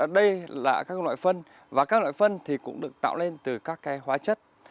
đây là các loại phân và các loại phân cũng được tạo lên từ các hóa chất